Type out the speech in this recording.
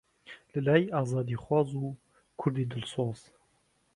لەلای ئازادیخواز و کوردی دڵسۆز